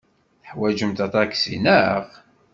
Teḥwajemt aṭaksi, naɣ?